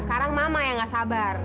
sekarang mama yang gak sabar